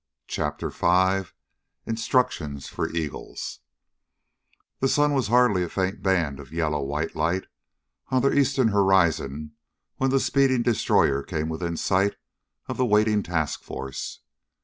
CHAPTER FIVE Instructions For Eagles The sun was hardly a faint band of yellow white light on the eastern horizon when the speeding destroyer came within sight of the waiting task force.